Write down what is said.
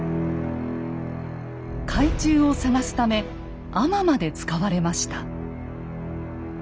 海中を捜すため海人まで使われました。